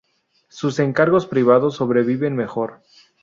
Sus encargos privados sobrevivieron mejor.